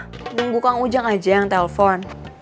enggak ah nunggu kang ujang aja yang telpon